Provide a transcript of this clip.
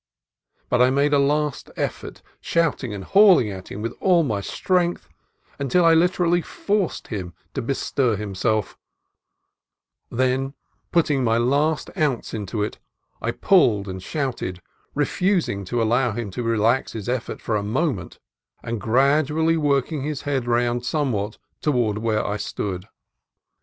But I made a last effort, shouting and hauling at him with all my strength, until I literally forced him to bestir himself : when, putting my last ounce into it, I pulled and shouted, refusing to allow him to relax his efforts for a moment, and gradually working his head round somewhat toward where I stood.